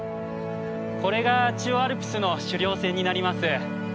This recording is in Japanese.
これが中央アルプスの主稜線になります。